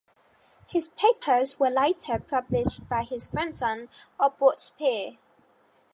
His papers were later published by his grandson, Abbot Spear.